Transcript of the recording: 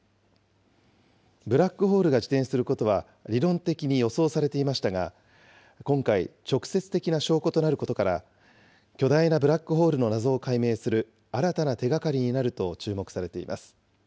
ブラックホールが自転することは理論的に予想されていましたが、今回、直接的な証拠となることから、巨大なブラックホールの謎を解明する新たな手がかりになると注目されています。